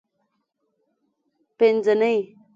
پینځنۍ